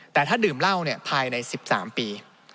แต่ถ้าดื่มร่าวนี้ภายใน๑๓ปี